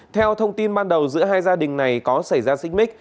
theo thông tin ban đầu giữa hai gia đình này có xảy ra xích mít